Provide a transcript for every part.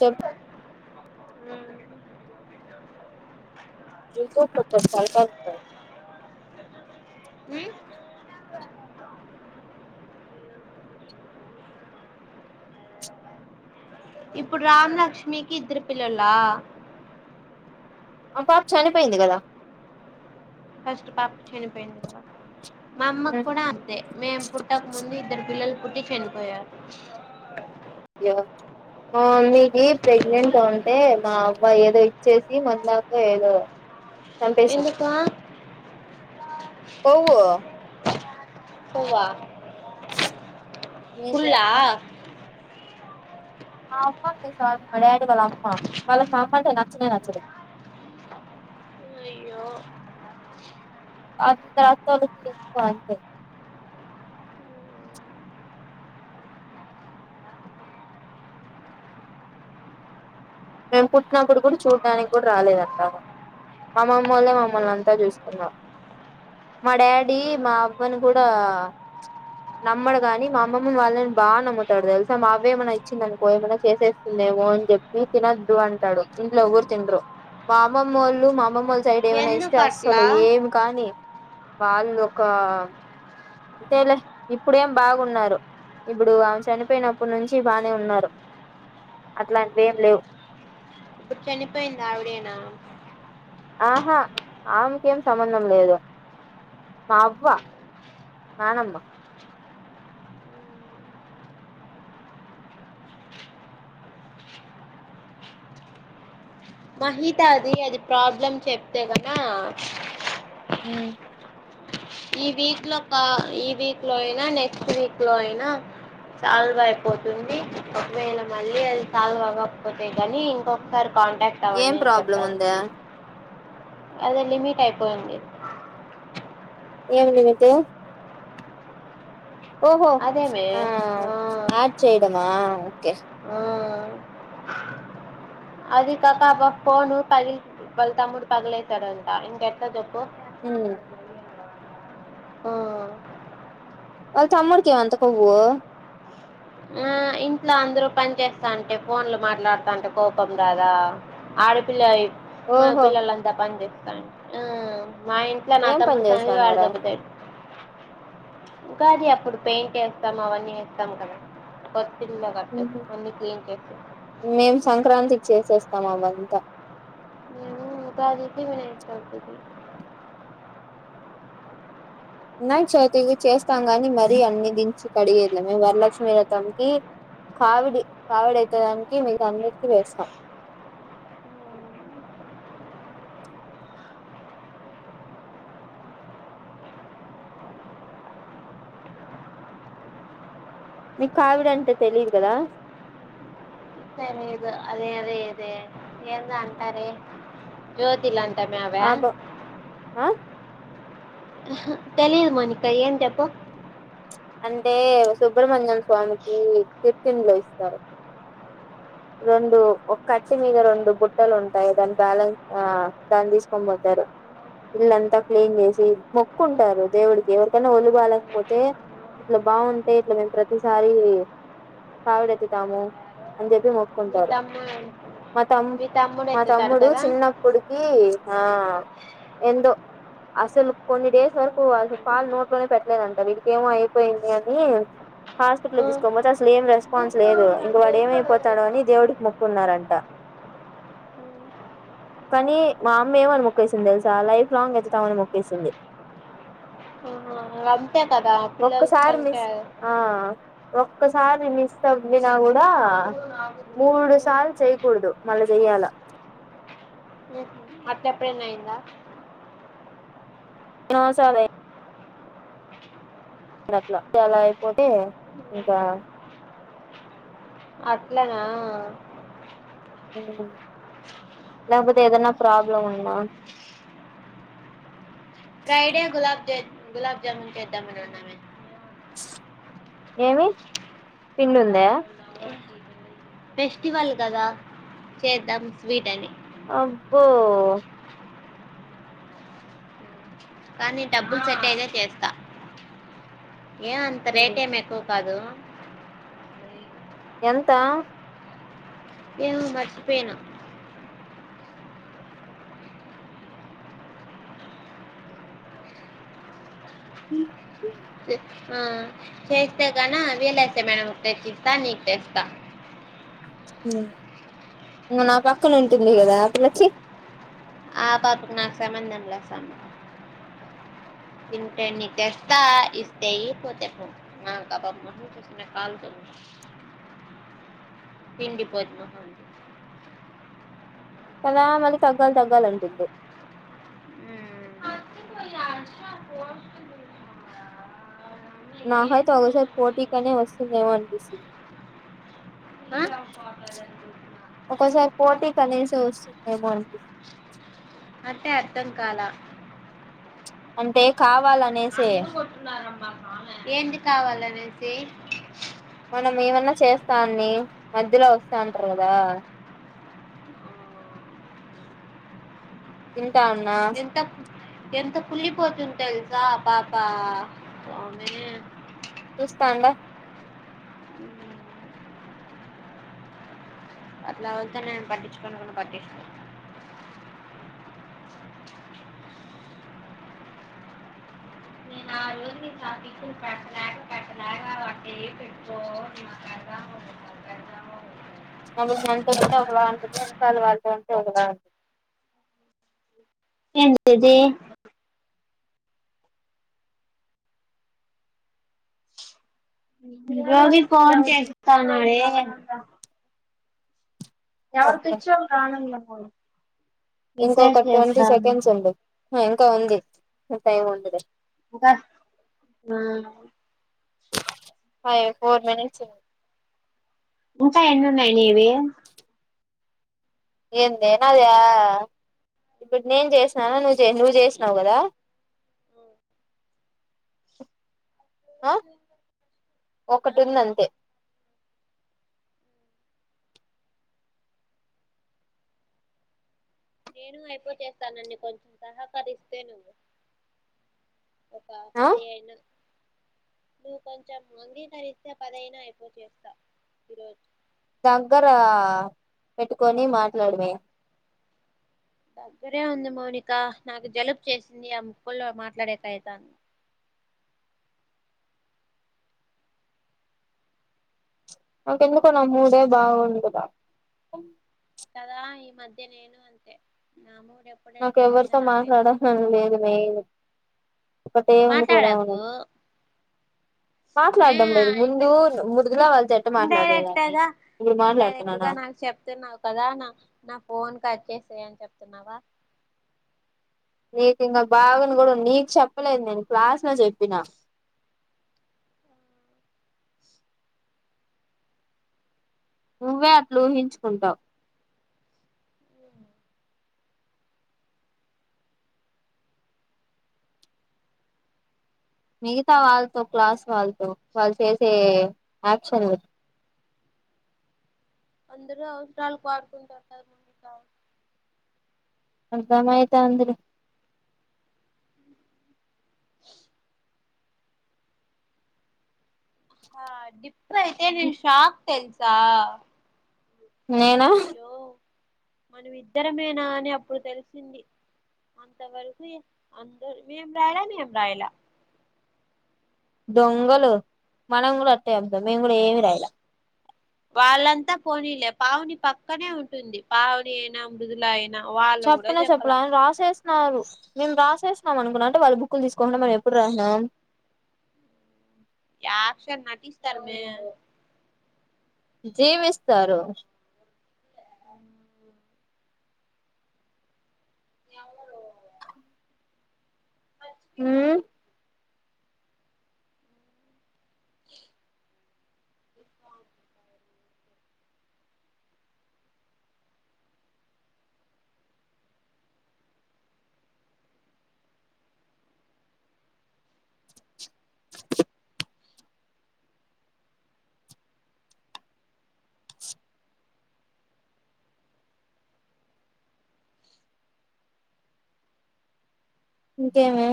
చెప్ప దకు ప పసాలత ఉపాయ ఉమ్ ఇప్పుడు రామలక్ష్మికి ఇద్దరు పిల్లలా పాపు చాని పయింది కదా ఫస్ట్ పాప చనిపోయింది కదా మా అమ్మక్ కూడాడా అంతే మేము పుట్టక ముందు ఇద్దరు పిల్లలు పుట్టు చనిపోయారు మా మమ్మీకి ప్రెగ్నెంట్ ఉంటే మా అబ్బాయి ఏదో ఇచ్చేసి మన దాకా ఏదో ఎందుక పో పోవా ఏం కుల్ చేస్తాం మా అమ్మ మీ మా డాడీ వాళ్ళ అమ్మ వాళ్ళ మా అమ్మ అంటే నచ్చనే నచ్చదు ఆ అవి రాత్రాలకి ఎందుకు అంటే మేము పుట్టినప్పుడు కూడా చూడ్డానికి కూడా రాలేదంటా మామమ్మలే మమ్మల్ నస్- అంతా చూసుకున్నారు మా డాడీ ఉమ్. మా అవ్వని కూడా నమ్మడు కాని మా అమ్మ వాళ్ళని బాగా నమ్ముతాడు తెలుసా మా అవే ఏమైన్నా ఇచ్చింద అనుకో ఏమైన్నా చేసేస్తుందేమో అని చెప్పి తినొద్దు అంటాడు ఇంట్లో ఎఊరు తిినరు మా అమ్మమ్మ వాళ్ళు మామమ్మ వాళ్ళ సైడ్ ఏమైనా ఇస్తే ఎందుకు అసలు అట్లా ఏమి కాని వాళ్ళ ఒక అంతేలే ఇప్పుడేం బాగున్నారు ఇప్పుడు ఆ చనిపోయినప్పుడు నుంచి బానే ఉన్నారు అట్లాంటివి ఏం లేవు ఇప్పుడు చనిపోయిందా అవిడేనా ఆహా ఆమెకేం సంబంధం లేదు మావవా మనమ్మ మహితా అది అది ప్రాబ్లమ్ చెప్తే కద హ ఈ వీక్ లో కా ఈ వీక్ లో అయినా నెక్స్ట్ వీక్ లో అయినా సాల్వ్ అయిపోతుంది ఒకవేనా మళ్ళీ అది సాల్వ్ అ్వకపోతాయి కానీ ఇంకొకసారి కాంటాక్ట్ అవ్వండి ఏం నేను ప్రాబ్లం చెప్తారు ఉందా అదే లిమిీట్ అయిపోంది ఏం నిమితే ఓహో అదేమే ఆ ఆడ్ చేయడమా ఓకే ఆ అదిక అకబా ఫోను పగిలి బల్తాముర్ పగిలైతాడు అంత ఇింగ్ ఎర్తదప్పు హ ఆ వాళ్ళ తమ్ముడికిమంత కొవ్వు ఆ ఇంట్లో అందరుూ పని చేస్తా అంటే ఫోన్లు మాట్లాడుతాంటే కోపం రాదా ఆడపిల్ల మా ఓహో పిల్లలంతా పనిపిస్తా ఆ మా ఇంట్లో నా ఏం తమ్మ పని స వాడ చేస్తాన్నారా దబ్బతా ఇకాది అప్పుడు పెయింట్ చేస్తాం అవన్నీ వస్తాం కదా ఇల్లు కట్టేసి అన్ని క్లీన్ చేసి మేం సంక్రాంతి చేసేస్తాం అమంతా మ బతద మ క ఉన్నాయి చవితివి చేస్తాం గాని మరీ అన్ని దించి కడిగేద్లే మేము వరలక్ష్మి వతంకి కావిడి కావిడ అయితే దానికి మీకు అందరికి వేస్తాం ఉ నీకు కామెడీ అంటే తెలిదు కదా సర ఇ అదే అదే ఇదే ఎద అంటార జ్యోతిల్ అంత తమ ఆ అ ఆ తెలియదు మనిిక ఏంంటప్ప అంటే సుబ్రహ్మణ్యం స్వామికి తిర్చంలో ఇస్తారు [inaudible] రెండు ఒక కచ్చి మీద రెండు బుట్టలు ఉంటాయి దాన్ని బ్యాలెన్స్ ఆ దాన్ని తీసుకోని పోతారు ఇల్లంతా క్లీన్ చేసి మొక్కుంటారు దేవుడికి ఎవరికైనా ఒళ్ళు బలేకపోతే ఇట్లా బాగుంటే ఇట్లా మేము ప్రతిసారి కావిడేత్తు తాము అని చెప్పి మొ మీ కుంటారు తమ్ముడు మా తమ్ మీ తమ్ముడు మా ఎత్తుతాడు తమ్ముడు కదా చిన్నప్పుటికి [inaudible] ఎంతోో అసలు కొన్ని డేస్ వరకు అసలు పాల్ నోట్లోనే పెట్టలేదంట వీడిక్ కేమో అయిపోయిందని హాస్పిటల్ తీసుకోకపోతే అసలు ఏం రెస్పాన్స్ ఆహా, లేదు ఇంగ వాడు ఏమైపోతాడో అని దేవుడికి మొక్కున్నారంట మ్ కానీ మా అమ్మ ఏమని మొక్కేసింది తెలుసా లైఫ్ లాంగ్ ఎత్తుమని మొక్కేసింది అహ అంతే కదా పిల్లల ఒక్కసారి కంటే మిస్ ఆ ఒక్కసారి మిస్ అయ్యినా కు ా ఉమ్, మూడు ఉమ్. సార్లు చేయ్యకూడదు మళ్ళా చెయ్యాల మ్ హు అట్లేప్పుడనైందా నో సాలై అట్లా అలా అయిపోతే ఇంకా అట్లనా హు లేకపోతే ఏదన్నా ప్రాబ్లం ఉన్న ఫ్రైడేయా గులాబ్ జె గులాబ్ జాములు చేద్దామని అన్నమే ఏమి పిండుందా ఫెస్టివల్ కదా చేద్దాం స్వీట్ అని అబ్బో కానీ డబ్బులు సెట్ అయితే చేస్తా ఎం అంత రేట్ ఎం ఎక్కువ కాదు ఎంత ఏమొ మరిచిపోయనా ఆ చేస్తే గన వీలైతే మేడంకి తెచ్చిస్తా నీకు తెస్తా మ్ ఇంగ నా పక్కన ఉంటుంది కదా ఆ పిల్లకి ఆ పాపుకు నాకు సంబంధంలే సమ్ తింటే నీక్ తెస్తా ఇస్తే అయ్యి పోతే పో నాక్ ఆ పాప మొహం చూస్తేనే కాలుతుంది తిండిబోత్తు మొహం ది కదా మళ్ళీ తగ్గాల్ తగ్గాలని పీద్ది ఆ? నాకైతే ఒకోసారి పోటీకనే వస్తుందేమో అనిపిస్తుం ఆ ఒకోసారి పోటీ పనీసే వస్తుందేమో అనిపి అంటే అర్ధంకాల అంటే కావాలన్ అందరూ కొట్టున్నమ్మా ఏంటి కావాలనేసి మనం ఏమన్నా చేస్తాఉన్ని మధ్యలో వస్తా ఉంటారు కదా తింటా ఉన్నా ఎంత ఎంత కుళ్ళిపోతుంది తెలుసా ఆ పాపా సామీ చూస్థాండా మ్ అట్లా వెళ్తే నేను పట్టించుకోను కూడా పట్టిచ్చుకో నా జ వీకులు పెట్టలేక పెట్టలేగా అట్టే ఏ పెట్టుకోకా [unintelligible] ఏంటిది రోజు ఫోన్ చేస్తోంది ఎవరు ఉంటుంది తెచ్చారు నాన్నమ్మ కు ఇంకొక ట్వంటీ సెకండ్స్ ఉంది ఇంకా ఉంది టైం ఉండది ఇంకా. హ్మ్మ్ ఫైవ్ ఫోర్ మినిట్స్ ఇంకా ఎన్నిన్నాయి నీవి ఎందే నయా ఇప్పుడు నేను చేసిననా నువ్వు చే నువ్ చేసినావు కదా ఆ ఒకటున్ది అంతే నేను అయిపో చేస్తానని కొంచెం సహకరిస్తే నువ్వు ఒక ఆ పదిహేను నువ్వు కొంచెం అంగీకరిస్తే పదైనా ఐపోవ చేస్తా ఈరోజు దగ్గర పెట్టుకొని మాట్లాడమే దగ్గరే ఉంది మౌనిక నాకు జలుబు చేసింది ఆ ముక్కుల్లో ల మాట్లాడేకి అయితాంది నాకెందుకో నా మూడే బాగుండదా కదా ఈ మధ్య నేను అంతే నము నాకు ఎవరితో మాట్లాడాలని లేదు మే మాట్లాడకు మే మాట్లాడడం లేదు ఇ ముందు ముదుగులా వాళ్ళతో ఎట్ట ఇన్డైరెక్ట్ మాట్లాడేదాన్ని గా ఇప్పుడు ఇన్ డైరెక్ట్ మాట్లాడుతున్నానా గా నాకు చెప్తున్నావు కదా నా నా ఫోన్ కట్ చేసేయనీ చెప్తున్నావా నీకు ఇంకా బాగాని కూడా నీకు చెప్పలేదు నేను క్లాస్ లో చెప్పినా నువ్వే అట్ల ఊహించుకుంటావు ఓ మిగతా వాళ్ళతో క్లాస్ వాళ్ళతో వాళ్ళు చేసే యాక్షన్ అందరూ అవసరాలు వాడుకుంటారు కద ముందుకా అర్థమైతందిలే ఆ డిప్పు అయితే నేను షాక్ తెల్సా నేనా మనం ఇద్దరమేనా అని అప్పుడు తెలిసింది అంతవరకు అందు మేం రాయలా నేం రాయలా దొంగలు మనం కూడా అట్టే చెబుతాం మేము కూడా ఏమి రాయలే వాళ్ళంతా పోనీలే పావని పక్కనే ఉంటుంది పావని అయినా మృదుల అయినా వాళ్ళు కూడా చెప్పలే చెప్పాల చెప్పల రాసే మేము రాసేసన్నాం అనుకున్న అంటే వాళ్ళ బుక్కులు తీసుకోకుండా మేము ఎప్పుడు రాసినాం యాక్షన్ నటిస్తారు మే జీవిస్తారు [inaudible] [unintelligible] ఉమ్ ఏ ఇంకేమి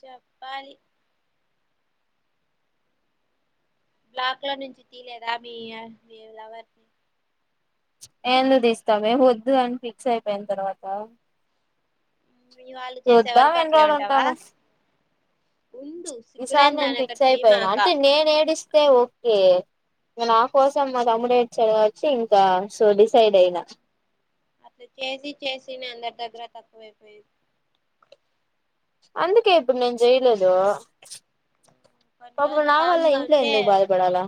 చెప్పాలి బ్లాక్ లో నుంచి తీలేదా మీ మీ ఎవరిని ఎందుకు ఇస్తావే వద్దు అని ఫిక్స్ అయిపోయిన తర్వాత వాళ్ళు చేసే చూద్దాం వరకు ఎన్ని అట్లే ఉంటావా ఉండు ఈసార్ సిగ్గులేని నేను దాని అక్కడ ఫిక్స్ అయిపోయాను చేయమాక అంటే నేను ఏడిస్తే ఓకే నా కోసం మా తమ్ముడుేడ్చ వచ్చి ఇంకా సో డిసైడ్ అయిన అట్లా చేసి చేసి న అందరి దగ్గర తక్కువైపోయింది అందుకే ఇప్పుడు నేను జయలేదుో కొన్ని పాప్పుడు రోజులు నా వల్ల కామ్ గా ఇంట్లో ఉంటే ఎందుకు బాధపడాలా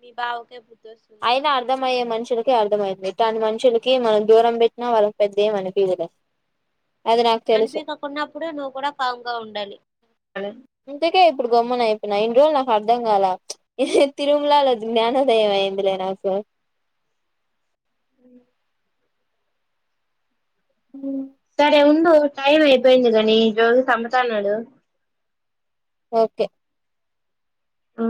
మీ బావకే బుద్ అయినా అర్థమయ్యే మనిషి ములక అర్థమైంది ఇట్లాంటి మనుషులకి మనం దూరం పెట్టినా వాళ్ళకి పెద్దే మని పలే అనిపించకున్నప్పుడు నువ్వు కూడా పాగంగా ఉండాలి ఇంతకే ఇప్పుడు గమ్మన అయిపోయినయి ఇన్ని రోజులు నాకు అర్థం కాల తిరుమలలో జ్ఞానదయం అయింది ద సార్ అ సరే ఉండు టైం అయిపోయింది కాని రోజు చమ్ముతాన్నాడు ఓకే ఆ